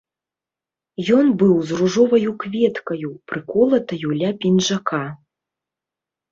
Ён быў з ружоваю кветкаю, прыколатаю ля пінжака.